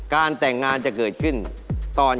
การแต่งงานจะเกิดขึ้น